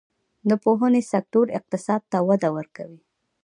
د پوهنې سکتور اقتصاد ته وده ورکوي